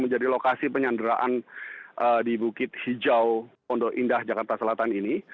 jalan bukit hijau sembilan rt sembilan rw tiga belas pondok indah jakarta selatan